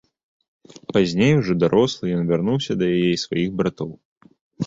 Пазней, ўжо дарослы, ён вярнуўся да яе і сваіх братоў.